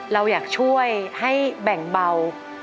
เราอยากช่วยให้แบ่งเบา